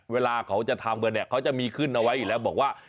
เวลาเขาจะทำกันเนี่ยเขาจะมีขึ้นเอาไว้อยู่แล้วบอกว่า